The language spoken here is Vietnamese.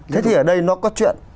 thế thì ở đây nó có chuyện